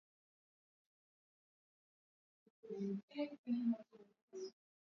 Vyombo na vifaa vinavyahitajika kutengeneza juisi